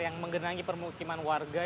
yang menggenangi permukiman warga